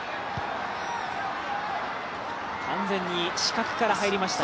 完全に死角から入りました。